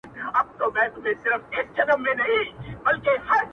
څه مضمون مضمون را ګورېڅه مصرعه مصرعه ږغېږې